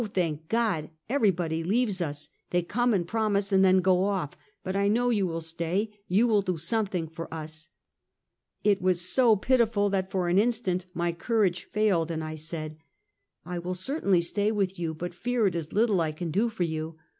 thank God; everybody leaves us; they come and promise, and then go off, but I know you will stay ; you will do something for us !" It was so pitiful, that for an instant my courage failed, and I said: The Old Theater. 309 " I will certainly stay with you ; but fear it is little I can do for you."